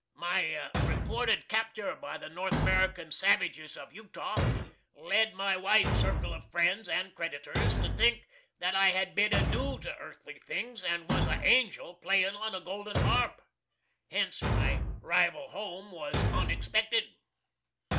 My reported captur by the North American savijis of Utah, led my wide circle of friends and creditors to think that I had bid adoo to earthly things and was a angel playin' on a golden harp. Hents my rival home was on expected.